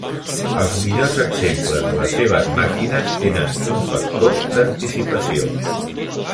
Els millors exemples de les seves màquines tenen un factor d'anticipació.